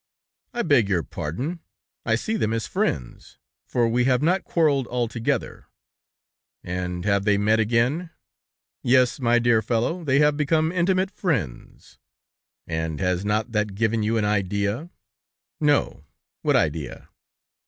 "I beg your pardon. I see them as friends, for we have not quarreled altogether." "And have they met again?" "Yes, my dear fellow, they have become intimate friends." "And has not that given you an idea?" "No, what idea?"